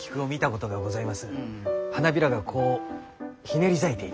花びらがこうひねり咲いていて。